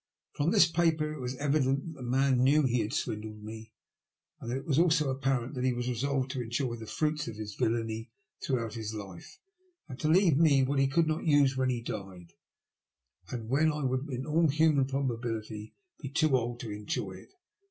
From this paper it was evident that the man knew he had swindled me, and it was also apparent that he was resolved to enjoy the fruits of his villainy throughout his life, and to leave me what he could not use when he died, and when I would, in all human probability, be too old to enjoy it.